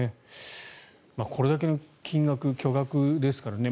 これだけの金額巨額ですからね。